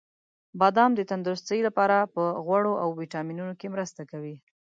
• بادام د تندرستۍ لپاره په غوړو او ویټامینونو کې مرسته کوي.